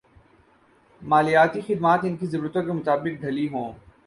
مالیاتی خدمات ان کی ضرورتوں کے مطابق ڈھلی ہوں